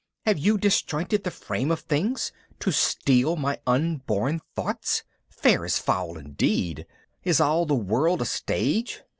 Have you disjointed the frame of things ... to steal my unborn thoughts? Fair is foul indeed. Is all the world a stage?